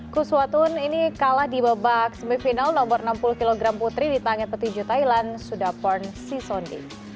huswatun ini kalah di bebak semifinal nomor enam puluh kg putri di tangga petinju thailand sudaporn sisondi